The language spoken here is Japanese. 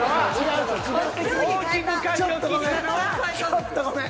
ちょっとごめん。